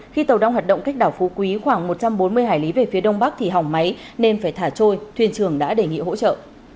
khi tàu đang hoạt động cách đảo phú quý khoảng một trăm bốn mươi hải lý về phía đông bắc thì hỏng máy nên phải thả trôi thuyền trưởng đã đề nghị hỗ trợ